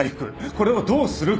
これをどうするか。